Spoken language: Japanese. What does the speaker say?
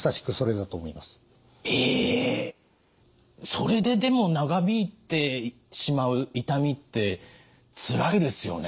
それででも長引いてしまう痛みってつらいですよね。